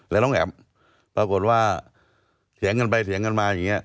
แล้วน้องแอ๋มปรากฏว่าเถียงกันไปเถียงกันมาอย่างนี้